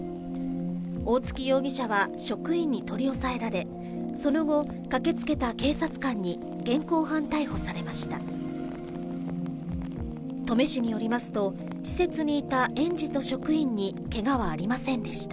大槻容疑者は職員に取り押さえられ、その後、駆けつけた警察官に現行犯逮捕されました。